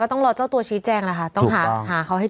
ถูกต้องถูกต้องถูกต้องถูกต้องถูกต้องถูกต้อง